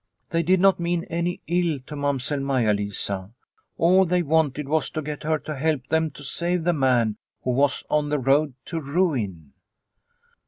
They did not mean any ill to Mamsell Maia Lisa. All they wanted was to get her to help them to save the man who was on the road to ruin.